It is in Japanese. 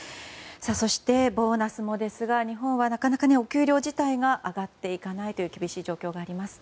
そして、ボーナスもですが日本はなかなかお給料自体が上がっていかないという厳しい状況があります。